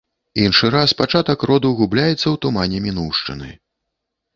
Іншы раз пачатак роду губляецца ў тумане мінуўшчыны.